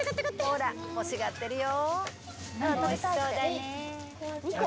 ほら、欲しがってるよ。